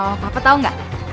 mama papa tau gak